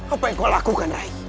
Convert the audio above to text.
apa yang kau lakukan